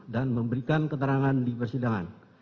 dan memberikan keterangan di persidangan